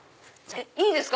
いいですか！